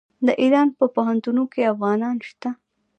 د ایران په پوهنتونونو کې افغانان شته.